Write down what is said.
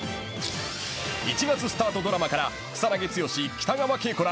１月スタートドラマから草なぎ剛、北川景子ら